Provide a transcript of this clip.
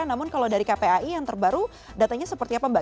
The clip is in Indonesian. namun kalau dari kpai yang terbaru datanya seperti apa mbak